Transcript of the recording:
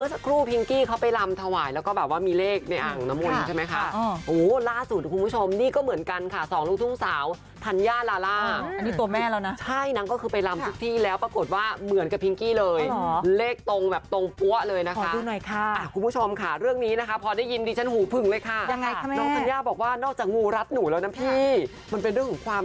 เมื่อครูปิงกี้เขาไปลำทวายแล้วก็แบบว่ามีเลขในอ่างของน้ำมนใช่ไหมคะ